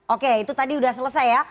oke itu tadi sudah selesai ya